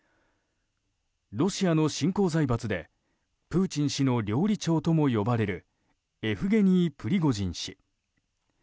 ロシアの新興財閥でプーチン氏の料理長とも呼ばれるエフゲニー・プリゴジン氏。